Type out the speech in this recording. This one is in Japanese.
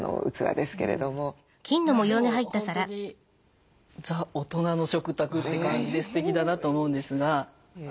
でも本当に「ザ・大人の食卓」って感じですてきだなと思うんですが。